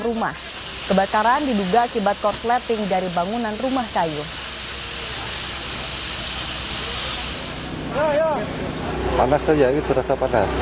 rumah kebakaran diduga akibat korsleting dari bangunan rumah kayu panas saja itu rasa panas